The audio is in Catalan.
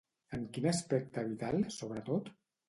En quin aspecte vital, sobretot?